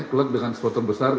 kelot dengan sporter besar